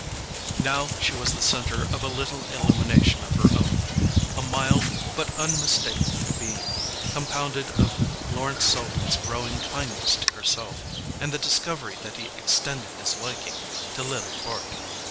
Now she was the centre of a little illumination of her own: a mild but unmistakable beam, compounded of Lawrence Selden's growing kindness to herself and the discovery that he extended his liking to Lily Bart.